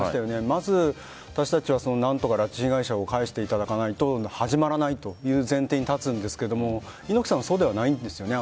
まず私たちは何とか拉致被害者を帰していただかないと始まらないという前提に立つんですが猪木さんはそうではないですよね。